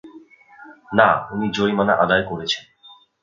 না উনি জরিমানা আদায় করেছেন।